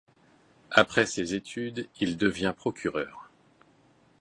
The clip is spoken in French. Après ses études, il devient procureur.